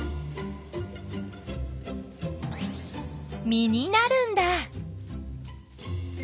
実になるんだ。